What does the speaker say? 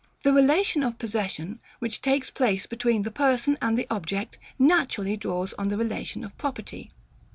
The relation of possession, which takes place between the person and the object, naturally draws on the relation of property.